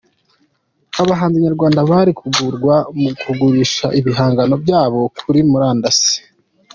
Abahanzi Nyarwanda bari guhugurwa ku kugurisha ibihangano byabo kuri Murandasi